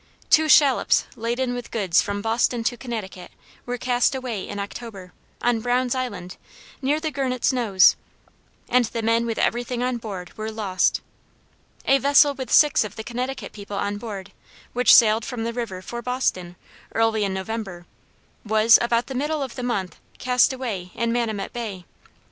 Two shallops laden with goods from Boston to Connecticut, were cast away in October, on Brown's Island, near the Gurnet's Nose; and the men with every thing on board were lost. A vessel with six of the Connecticut people on board, which sailed from the river for Boston, early in November, was, about the middle of the month, cast away in Manamet Bay.